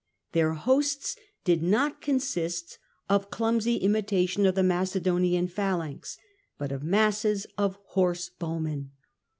Their hosts did not consist of clumsy imitations of the Macedonian phalanx, but of masses of horse bowmen.